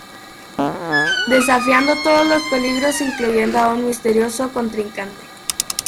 Desafiando todos los peligros incluyendo a un misterioso contrincante.